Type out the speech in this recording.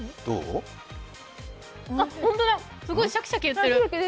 ホントだ、すごいシャキシャキいってる。